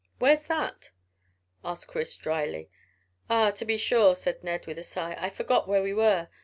"Where's that?" said Chris dryly. "Ah, to be sure," said Ned, with a sigh. "I forgot where we were.